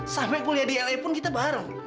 sampai kuliah di lai pun kita bareng